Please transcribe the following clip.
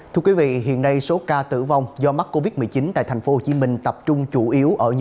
thưa quý vị hiện nay số ca tử vong do mắc covid một mươi chín tại tp hcm tập trung chủ yếu ở những